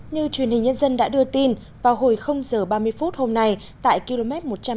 như truyền hình nhân dân đã đưa tin vào hồi giờ ba mươi phút hôm nay tại km một trăm ba mươi năm